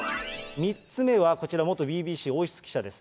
３つ目は、こちら、元ＢＢＣ王室記者です。